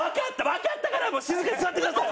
わかったからもう静かに座ってください！